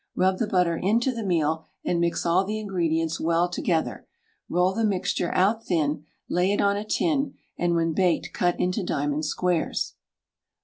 Rub the butter into the meal, and mix all the ingredients well together; roll the mixture out thin, lay it on a tin, and when baked cut into diamond squares.